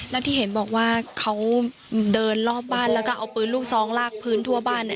แล้วที่เห็นบอกว่าเขาเดินรอบบ้านแล้วก็เอาปืนลูกซองลากพื้นทั่วบ้านเนี่ย